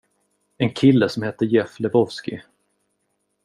En kille som hette Jeff Lebowski.